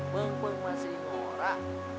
pengpeng masih morak